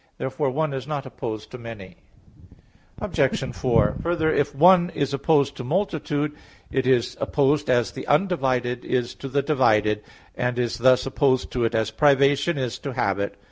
Therefore "one" is not opposed to "many." Obj. 4: Further, if "one" is opposed to "multitude," it is opposed as the undivided is to the divided; and is thus opposed to it as privation is to habit.